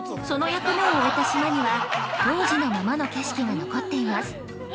その役目を終えた島には、当時のままの景色が残っています。